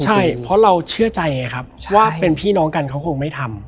ใช่เพราะเราเชื่อใจไงครับว่าเป็นพี่น้องกันเขาคงไม่ทำ